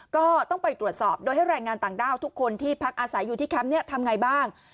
ก็ต้องไปตรวจสอบโดยให้แรงงานต่างด้าวทุกคนที่พักอาศัยอยู่ที่แคมป์ทำไงบ้าง